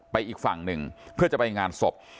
อีกฝั่งหนึ่งเพื่อจะไปงานศพ